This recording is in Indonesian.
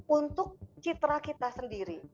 untuk citra kita sendiri